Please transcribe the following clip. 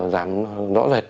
giảm rõ rệt